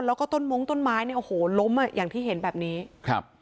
แล้วก็ต้นมงต้นไม้เนี่ยโอ้โหล้มอ่ะอย่างที่เห็นแบบนี้ครับ